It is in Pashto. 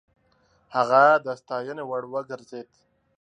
هغه د ستاينې وړ وګرځېد.